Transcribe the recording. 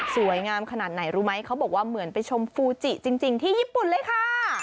ขนาดไหนรู้ไหมเขาบอกว่าเหมือนไปชมฟูจิจริงที่ญี่ปุ่นเลยค่ะ